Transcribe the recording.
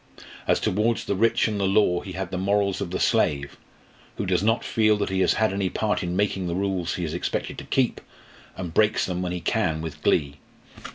As towards the rich and the law, he had the morals of the slave, who does not feel that he has had any part in making the rules he is expected to keep, and breaks them when he can with glee.